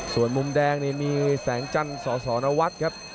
ส่วนมุมแดงนี่มีแสงจันทร์สสนวัฒน์ครับ